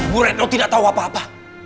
bu retno tidak tahu apa apa